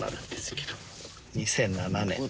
２００７年。